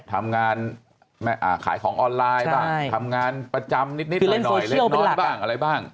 ทำงานขายของออนไลน์บ้างทำงานประจำนิดหน่อยเล็กน้อยบ้างอะไรบ้าง